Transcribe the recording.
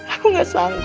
aku gak sanggup